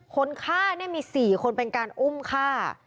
คนฆ่ามี๔คนเป็นการอุ้มฆ่า